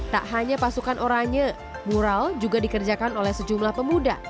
tak hanya pasukan oranye mural juga dikerjakan oleh sejumlah pemuda